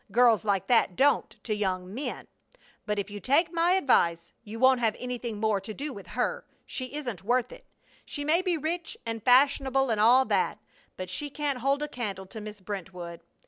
Girls like that don't to young men. But if you take my advice you won't have anything more to do with her! She isn't worth it! She may be rich and fashionable and all that, but she can't hold a candle to Miss Brentwood!